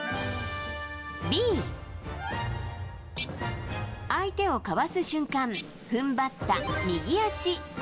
Ｂ、相手をかわす瞬間踏ん張った右足。